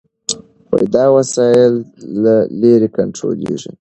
دا وسایل له لرې کنټرولېږي.